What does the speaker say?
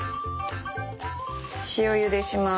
塩ゆでします。